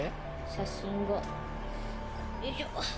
写真が。